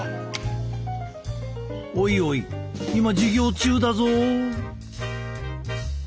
おいおい今授業中だぞ。